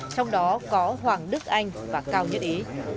trong đó có hoàng đức anh và cao nhất ý